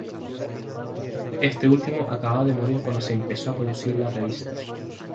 Este último acababa de morir cuando se empezó a producir la revista.